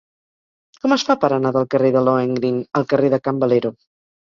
Com es fa per anar del carrer de Lohengrin al carrer de Can Valero?